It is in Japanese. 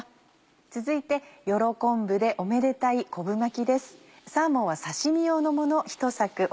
続いてよろこんぶでおめでたい昆布巻きです。